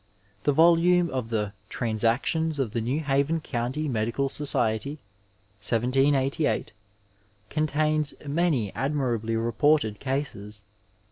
The volume of the Transactions of the New Haven County Medical Society, 1788, contains many admirably reported cases.